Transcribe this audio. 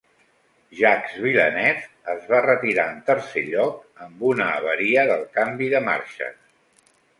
Jacques Villeneuve es va retirar en tercer lloc amb una avaria del canvi de marxes.